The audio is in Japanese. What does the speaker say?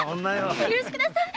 お許しください！